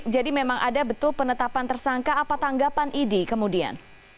jadi memang ada betul penetapan tersangka apa tanggapan idi kemudian